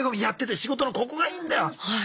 やってて仕事のここがいいんだよ。